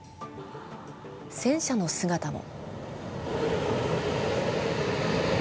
戦車の姿も。